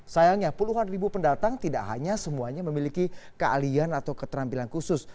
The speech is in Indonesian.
sayangnya puluhan ribu pendatang tidak hanya semuanya memiliki keahlian atau keterampilan khusus